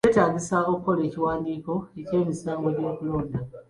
Kyetaagisa okukola ekiwandiiko ky'emisango gy'okulonda?